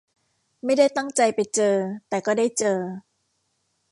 ไม่ได้ตั้งใจไปเจอ แต่ก็ได้เจอ